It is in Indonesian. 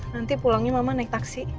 nanti pulangnya mama naik taksi